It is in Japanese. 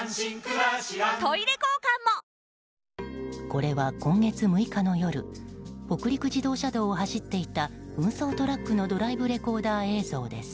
これは今月６日の夜北陸自動車道を走っていた運送トラックのドライブレコーダー映像です。